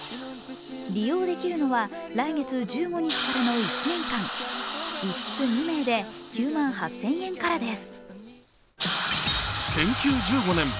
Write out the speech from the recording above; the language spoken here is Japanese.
利用できるのは来月１５日からの１年間、１室２名で９万８０００円からです。